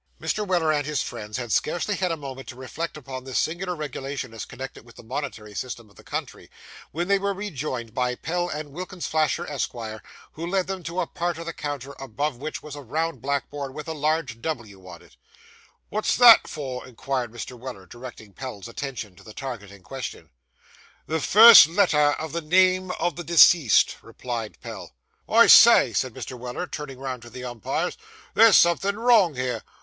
Mr. Weller and his friends had scarcely had a moment to reflect upon this singular regulation as connected with the monetary system of the country, when they were rejoined by Pell and Wilkins Flasher, Esquire, who led them to a part of the counter above which was a round blackboard with a large 'W.' on it. 'Wot's that for, Sir?' inquired Mr. Weller, directing Pell's attention to the target in question. 'The first letter of the name of the deceased,' replied Pell. 'I say,' said Mr. Weller, turning round to the umpires, there's somethin' wrong here.